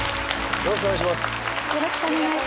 よろしくお願いします。